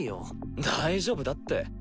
大丈夫だって。